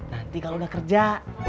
nanti kalau udah kerja